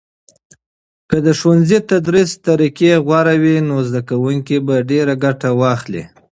که د ښوونځي تدریس میتودونه غوره وي، نو زده کوونکي به ډیر ګټه واخلي.